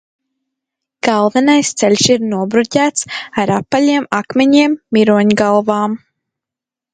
Galvenas ceļš ir nobruģēts ar apaļajiem akmeņiem miroņgalvām.